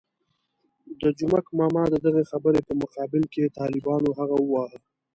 د جومک ماما د دغې خبرې په مقابل کې طالبانو هغه وواهه.